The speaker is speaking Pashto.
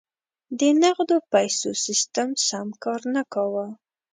د نغدو پیسو سیستم سم کار نه کاوه.